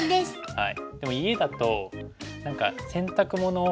はい。